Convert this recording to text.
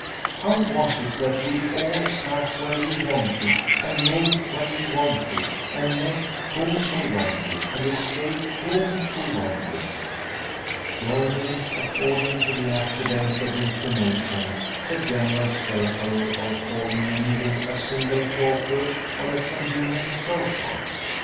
How was it that we all sat where we wanted and moved when we wanted and met whom we wanted and escaped whom we wanted; joining, according to the accident of inclination, the general circle or falling in with a single talker on a convenient sofa?